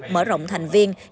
mở rộng thành viên